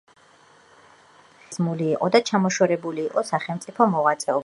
იგი უკვე ძალიან ხანდაზმული იყო და ჩამოშორებული იყო სახელმწიფო მოღვაწეობას.